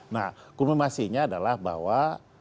nah konfirmasinya adalah bahwa